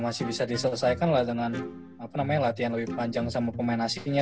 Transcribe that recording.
masih bisa diselesaikan lah dengan latihan lebih panjang sama pemain asingnya